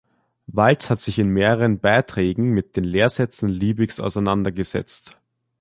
Walz hat sich in mehreren Beiträgen mit den Lehrsätzen Liebigs auseinandergesetzt.